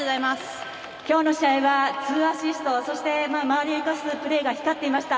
今日の試合は２アシストそして周りを生かすプレーが光っていました。